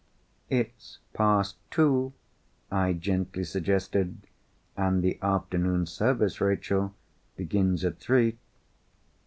"It's past two," I gently suggested. "And the afternoon service, Rachel, begins at three."